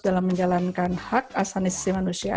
dalam menjalankan hak asasi manusia